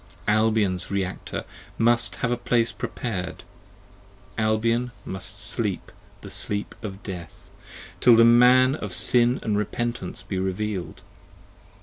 Albion's Reactor must have a Place prepar'd. Albion must Sleep The Sleep of Death, till the Man of Sin & Repentance be reveal'd.